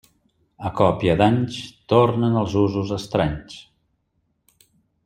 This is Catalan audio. A còpia d'anys tornen els usos estranys.